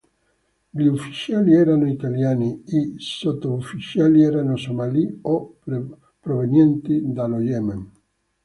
Gli ufficiali erano italiani, i sottufficiali erano somali o provenienti dallo Yemen.